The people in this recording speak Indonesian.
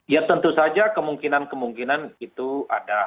ya tentu saja kemungkinan kemungkinan itu ada